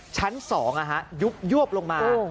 ชั้น๒ยุบลงมา